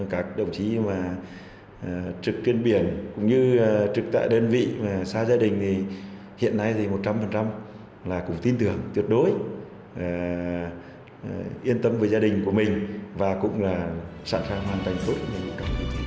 các đồng chí mà trực trên biển cũng như trực tại đơn vị và xa gia đình thì hiện nay thì một trăm linh là cũng tin tưởng tuyệt đối yên tâm với gia đình của mình và cũng là sẵn sàng hoàn thành tốt nhiệm vụ đó